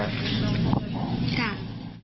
ครับ